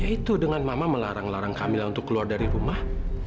ya itu dengan mama melarang larang kamila untuk keluar dari rumah